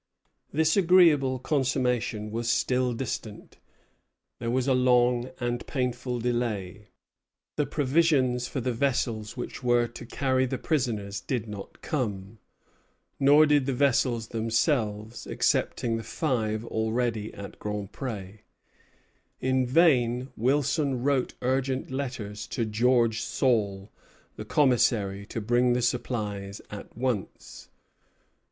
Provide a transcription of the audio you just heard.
This agreeable consummation was still distant. There was a long and painful delay. The provisions for the vessels which were to carry the prisoners did not come; nor did the vessels themselves, excepting the five already at Grand Pré. In vain Winslow wrote urgent letters to George Saul, the commissary, to bring the supplies at once.